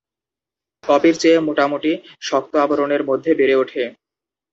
কপির চেয়ে মোটামুটি শক্ত আবরণের মধ্যে বেড়ে ওঠে।